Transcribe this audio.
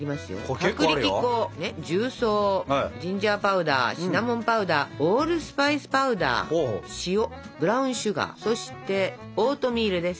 薄力粉重曹ジンジャーパウダーシナモンパウダーオールスパイスパウダー塩ブラウンシュガーそしてオートミールです。